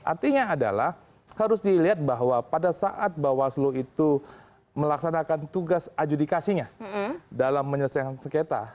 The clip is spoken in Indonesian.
artinya adalah harus dilihat bahwa pada saat bawaslu itu melaksanakan tugas adjudikasinya dalam menyelesaikan sengketa